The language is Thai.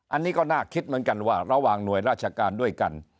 อันนี้ก็น่าคิดเหมือนกันว่าระหว่างหน่วยราชการด้วยกัน